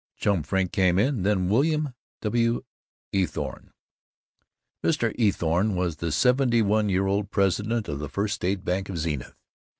Chum Frink came in, then William W. Eathorne. Mr. Eathorne was the seventy year old president of the First State Bank of Zenith.